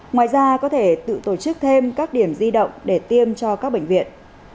ngoài ra có thể tự tổ chức thêm các điểm di động để tiêm cho các bệnh viện